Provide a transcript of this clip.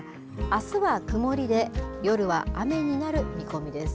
あすは曇りで、夜は雨になる見込みです。